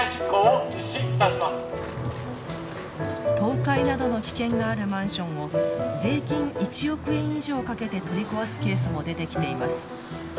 倒壊などの危険があるマンションを税金１億円以上かけて取り壊すケースも出てきています。